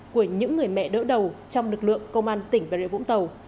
của những người mẹ đỡ đầu trong lực lượng công an tỉnh bà rịa vũng tàu